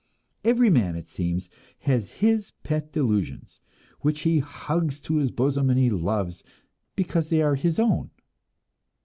Every man, it seems, has his pet delusions, which he hugs to his bosom and loves because they are his own.